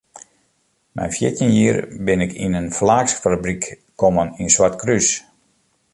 Mei fjirtjin jier bin ik yn in flaaksfabryk kommen yn Swartkrús.